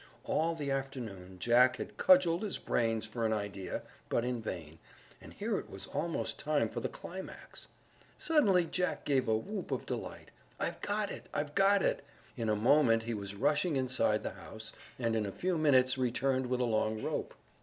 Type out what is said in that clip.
All the afternoon Jack had cudgeled his brains for an idea, but in vain, and here it was almost time for the climax. Suddenly Jack gave a whoop of delight. "I've got it! I've got it!" In a moment he was rushing inside the house, and in a few minutes returned with a long rope.